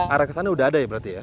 arah ke sana udah ada ya berarti ya